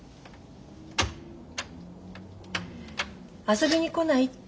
「遊びに来ない？」って